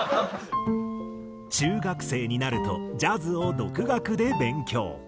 中学生になるとジャズを独学で勉強。